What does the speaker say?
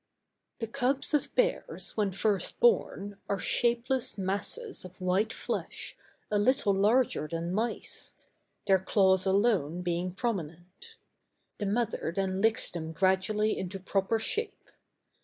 The cubs of bears when first born are shapeless masses of white flesh, a little larger than mice; their claws alone being prominent. The mother then licks them gradually into proper shape.